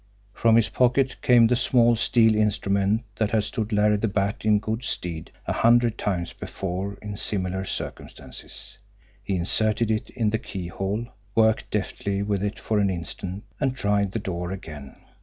From his pocket came the small steel instrument that had stood Larry the Bat in good stead a hundred times before in similar circumstances. He inserted it in the keyhole, worked deftly with it for an instant and tried the door again.